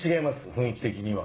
雰囲気的には。